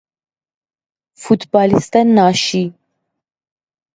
فوتبالیست ناشی